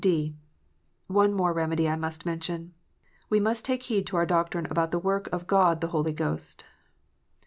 (d) One more remedy I must mention. We must take heed to our doctrine about the work of God the Holy Ghost.